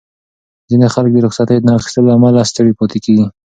ځینې خلک د رخصتۍ نه اخیستو له امله ستړي پاتې کېږي.